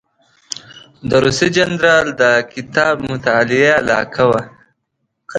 د روسي جنرال د کتاب مطالعه علاقه وه.